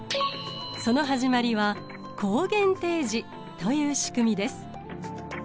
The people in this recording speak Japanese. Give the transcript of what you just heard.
その始まりは抗原提示というしくみです。